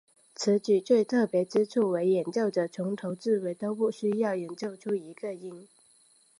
此曲最特别之处为演奏者从头至尾都不需要演奏出一个音。